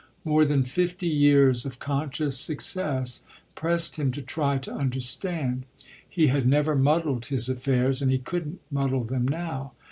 More than fifty years of conscious success pressed him to try to understand; he had never muddled his affairs and he couldn't muddle them now.